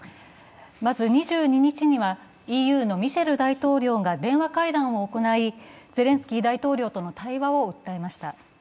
まず２２日にはＥＵのミシェル大統領が電話会談を行いゼレンスキー大統領との対話を訴えました。